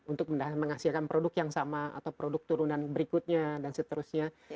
untuk menghasilkan produk yang sama atau produk turunan berikutnya dan seterusnya